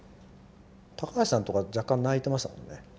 高橋さんとか若干泣いてましたもんね。